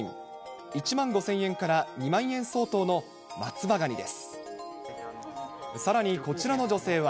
１万５０００円から２万円相当の松葉がにです。